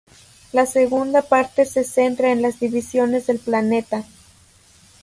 La segunda parte se centra en las divisiones del planeta.